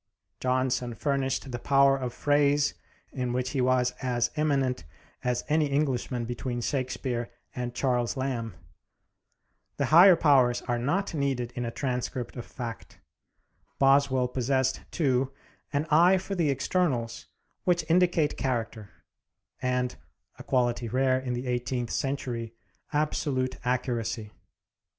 Johnson furnished the power of phrase, in which he was as eminent as any Englishman between Shakespeare and Charles Lamb. The higher powers are not needed in a transcript of fact. Boswell possessed too an eye for the externals which indicate character, and a quality rare in the eighteenth century absolute accuracy.